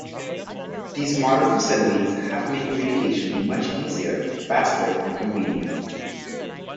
These modern facilities have made communication much easier, faster and convenient.